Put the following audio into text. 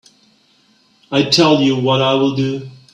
I'll tell you what I'll do.